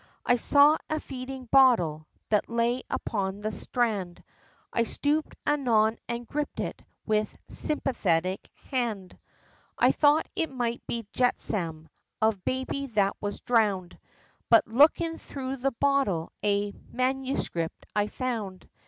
I saw a feeding bottle, that lay upon the strand, I stooped anon and gripped it, with sympathetic hand, I thought it might be jetsam, of baby that was drowned, But looking thro' the bottle, a manuscript I found.